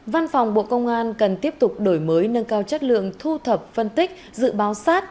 văn phòng bộ công an cần tiếp tục đổi mới nâng cao chất lượng thu thập phân tích dự báo sát